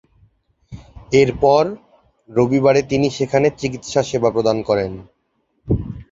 এরপর, রবিবারে তিনি সেখানে চিকিৎসা সেবা প্রদান করেন।